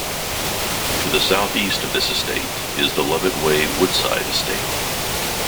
To the south east of this estate is the Lovett Way Woodside estate.